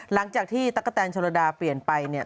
หลังจากที่ตั๊กกะแตนโชลดาเปลี่ยนไปเนี่ย